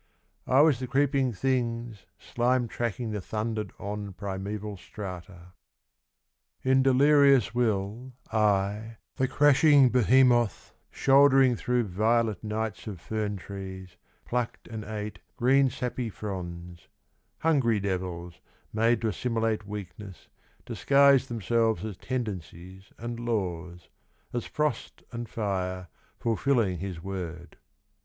I was the creeping things Slime tracking the thundered on Primaeval strata. 65 Elan Vital. In delirious will I, the crashing behemoth Shouldering through violet nights of fern trees, Plucked and ate green sappy fronds ; Hungry devils, made To assimilate weakness, disguised Themselves as tendencies and laws, As frost and fire, fulfilling his word.